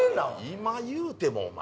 今言うてもお前。